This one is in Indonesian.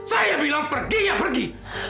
saya bilang pergi ya pergi